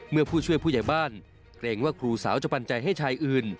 ผู้ช่วยผู้ใหญ่บ้านเกรงว่าครูสาวจะปัญญาให้ชายอื่น